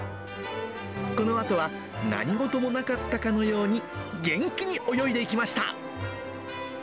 このあとは、何事もなかったかのように、元気に泳いでいきました。